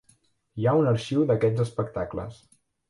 Hi ha un arxiu d'aquests espectacles.